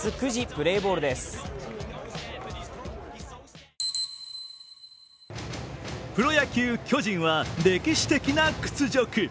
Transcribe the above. プロ野球・巨人は歴史的な屈辱。